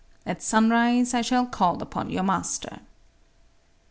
At sunrise I shall call upon your master."